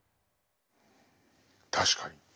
確かに。